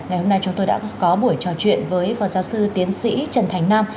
ngày hôm nay chúng tôi đã có buổi trò chuyện với phó giáo sư tiến sĩ trần thành nam